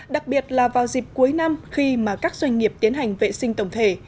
đặc biệt là vào dịp cuối năm khi mà các doanh nghiệp tiến hành vệ sinh tổng thể